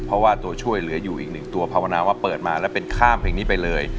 เพราะว่าตัวช่วยเหลืออยู่อีกหนึ่งตัวภาวนาว่าเปิดมาแล้วเป็นข้ามเพลงนี้ไปเลย